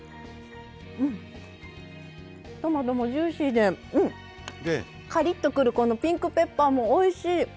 トマトもジューシーでカリッとくるこのピンクペッパーもおいしい！